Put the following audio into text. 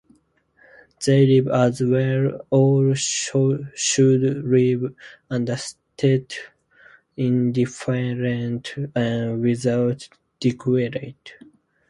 They live as we all should live — undisturbed, indifferent, and without disquiet.